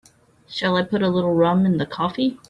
Shall I put a little rum in the coffee?